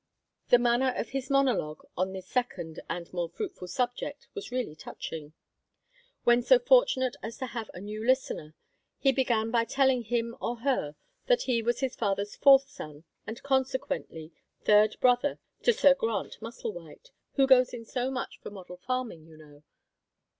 The manner of his monologue on this second and more fruitful subject was really touching. When so fortunate as to have a new listener, he began by telling him or her that he was his father's fourth son, and consequently third brother to Sir Grant Musselwhite "who goes in so much for model farming, you know."